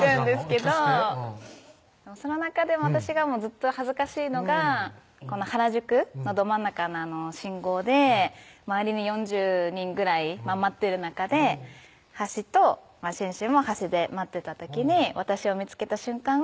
聞かしてその中でも私がずっと恥ずかしいのが原宿のど真ん中の信号で周りに４０人ぐらい待ってる中で端としゅんしゅんも端で待ってた時に私を見つけた瞬間